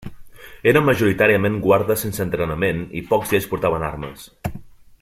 Eren majoritàriament guardes sense entrenament i pocs d'ells portaven armes.